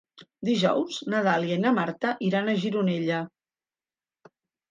Dijous na Dàlia i na Marta iran a Gironella.